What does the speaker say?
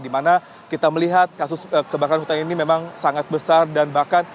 dimana kita melihat kasus kebakaran hutan ini memang sangat besar dan bahkan